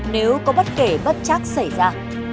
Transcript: nếu có bất kể bất chắc xảy ra